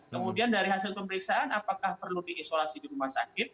kemudian dari hasil pemeriksaan apakah perlu diisolasi di rumah sakit